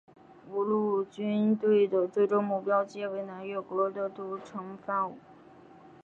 五路军队的最终目标皆为南越国的都城番禺。